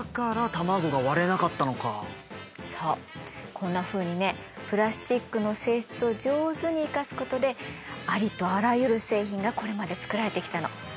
こんなふうにねプラスチックの性質を上手に生かすことでありとあらゆる製品がこれまで作られてきたの。